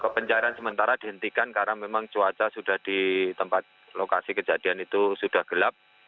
pencarian sementara dihentikan karena memang cuaca sudah di tempat lokasi kejadian itu sudah gelap